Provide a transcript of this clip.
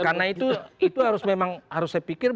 karena itu harus memang harus saya pikir